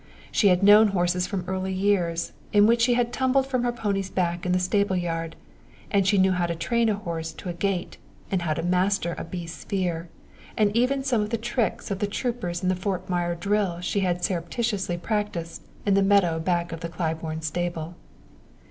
She had known horses from early years, in which she had tumbled from her pony's back in the stable yard, and she knew how to train a horse to a gait and how to master a beast's fear; and even some of the tricks of the troopers in the Fort Myer drill she had surreptitiously practised in the meadow back of the Claiborne stable.